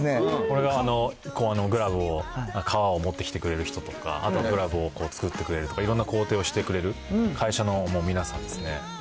これがグラブの、革を持ってきてくれる人とか、あとはグラブを作ってくれるとか、いろんな工程をしてくれる会社の皆さんですね。